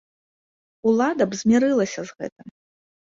Улада б змірылася з гэтым.